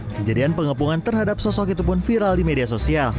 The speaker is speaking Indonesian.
kejadian pengepungan terhadap sosok itu pun viral di media sosial